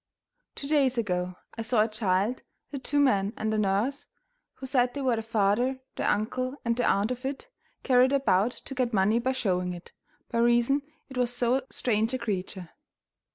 Two days ago I saw a child that two men and a nurse, who said they were the father, the uncle, and the aunt of it, carried about to get money by showing it, by reason it was so strange a creature.